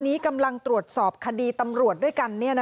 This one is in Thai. นี้กำลังตรวจสอบคดีตำรวจด้วยกัน